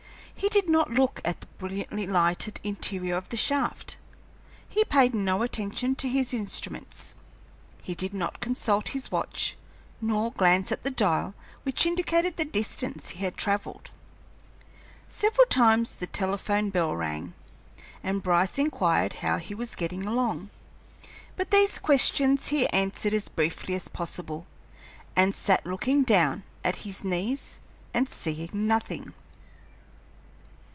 He did not look at the brilliantly lighted interior of the shaft, he paid no attention to his instruments, he did not consult his watch, nor glance at the dial which indicated the distance he had travelled. Several times the telephone bell rang, and Bryce inquired how he was getting along; but these questions he answered as briefly as possible, and sat looking down at his knees and seeing nothing.